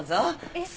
えっ？